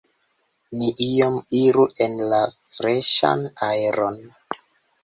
Ni iom iru en la freŝan aeron.